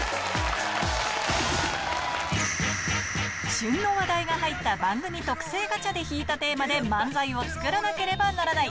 旬の話題が入った番組特製ガチャで引いたテーマで、漫才を作らなければならない。